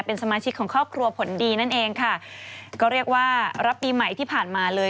เป็นสมาชิกของครอบครัวผลดีนั่นเองค่ะก็เรียกว่ารับปีใหม่ที่ผ่านมาเลย